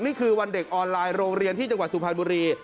นี่คือวันเด็กออนไลน์โรงเรียนที่จังหวัดสุพรรณบุรี